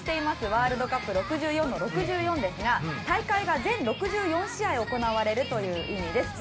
「ワールドカップ６４」の６４ですが大会が全６４試合行われるという意味です。